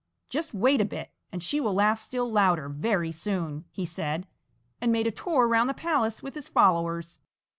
"Just wait a bit, and she will laugh still louder very soon," he said, and made a tour round the palace with his followers.